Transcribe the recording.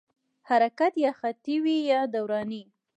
حرکت یا خطي وي یا دوراني.